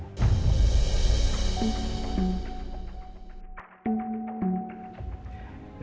dan saya melihat